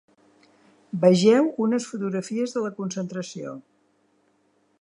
Vegeu unes fotografies de la concentració.